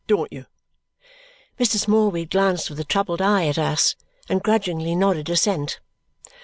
Don't you?" Mr. Smallweed glanced with a troubled eye at us and grudgingly nodded assent.